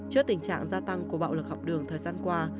trước tình trạng gia tăng của bạo lực học đường thời gian qua